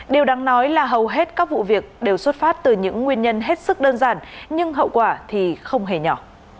điều đáng nói là hầu hết các vụ việc đều xuất phát từ những nguyên nhân hết sức đơn giản nhưng hậu quả thì không hề nhỏ